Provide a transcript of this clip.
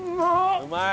うまい？